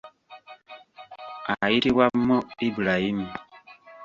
Ayitibwa Mo Ibrahim.